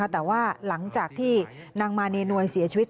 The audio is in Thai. แต่ว่าหลังจากที่นางมาเนนวยเสียชีวิต